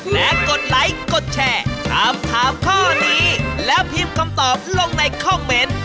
และกดไลค์กดแชร์ถามถามข้อนี้แล้วพิมพ์คำตอบลงในคอมเมนต์